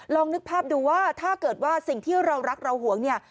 นึกภาพดูว่าถ้าเกิดว่าสิ่งที่เรารักเราห่วงเนี่ย